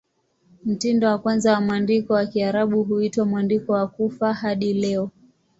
Mtindo wa kwanza wa mwandiko wa Kiarabu huitwa "Mwandiko wa Kufa" hadi leo.